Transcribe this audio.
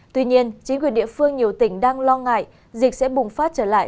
tuy nhiên chính quyền địa phương nhiều tỉnh đang lo ngại dịch sẽ bùng phát trở lại